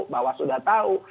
bawah sudah tahu